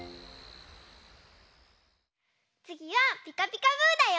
つぎは「ピカピカブ！」だよ。